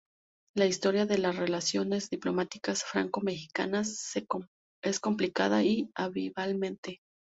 La historia de las relaciones diplomáticas franco-mexicanas es complicada y ambivalente.